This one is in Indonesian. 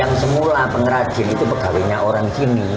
yang semula pengrajin itu pegawainya orang sini